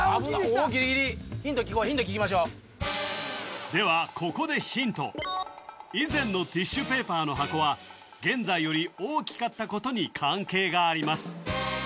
ギリギリヒント聞きましょうではここでヒント以前のティッシュペーパーの箱は現在より大きかったことに関係があります